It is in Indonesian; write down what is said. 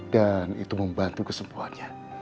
dan itu membantu kesempuhannya